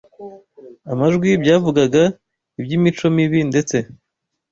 amajwi byavugaga iby’imico mibi ndetse